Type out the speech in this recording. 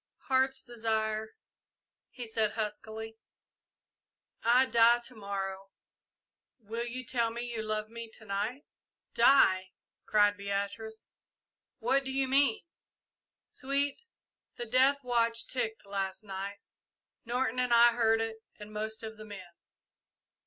"Heart's Desire," he said huskily, "I die to morrow will you tell me you love me to night?" "Die!" cried Beatrice. "What do you mean?" "Sweet, the death watch ticked last night Norton and I heard it and most of the men.